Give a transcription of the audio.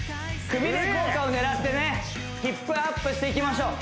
くびれ効果を狙ってねヒップアップしていきましょう